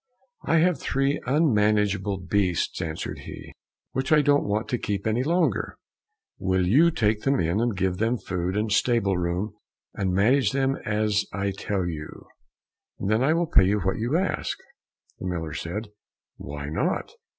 "I have three unmanageable beasts," answered he, "which I don't want to keep any longer. Will you take them in, and give them food and stable room, and manage them as I tell you, and then I will pay you what you ask." The miller said, "Why not?